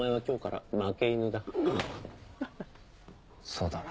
そうだな。